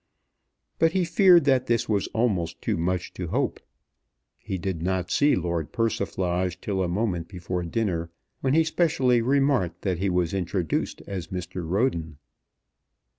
But he feared that this was almost too much to hope. He did not see Lord Persiflage till a moment before dinner, when he specially remarked that he was introduced as Mr. Roden.